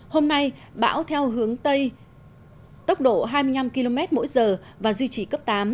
hôm nay bão theo hướng tây tốc độ hai mươi năm km mỗi giờ và duy trì cấp tám